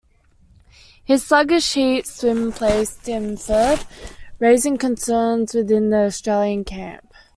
His sluggish heat swim placed him third, raising concerns within the Australian camp.